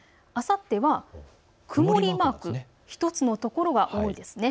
あさっては曇りマーク１つのところが多いです。